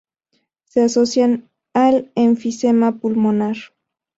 Se asocian al enfisema pulmonar.